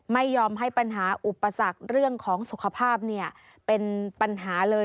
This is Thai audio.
ไม่ยอมให้ปัญหาอุปสรรคเรื่องของสุขภาพเนี่ยเป็นปัญหาเลย